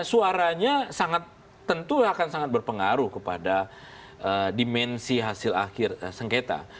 suaranya sangat tentu akan sangat berpengaruh kepada dimensi hasil akhir sengketa